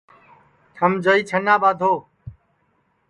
تھم جائی چھنا ٻادھو